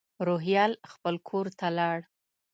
روهیال خپل کور ته لاړ.